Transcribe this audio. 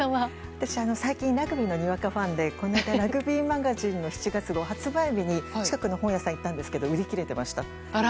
私は最近ラグビーのにわかファンで「ラグビーマガジン」の７月号を発売日に近くの本屋さんに行ったんですが売り切れていました。